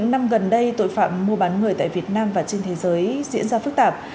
bốn năm gần đây tội phạm mua bán người tại việt nam và trên thế giới diễn ra phức tạp